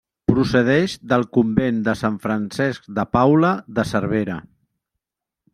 Procedeix del convent de Sant Francesc de Paula de Cervera.